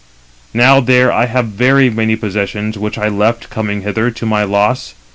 307 Now there I have very many possessions, which I left, coming hither, to my loss.